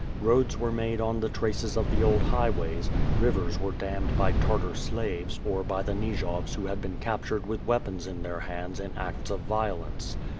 Roads were made on the traces of the old highways; rivers w^ere dammed by Tartar slaves, or by the Nijovs who had been captured with weapons in their hands in acts of violence.